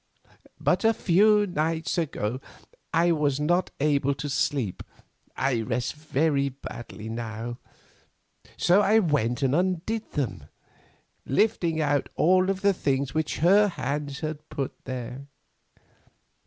But, a few nights ago I wasn't able to sleep—I rest very badly now—so I went and undid them, lifting out all the things which her hands had put there.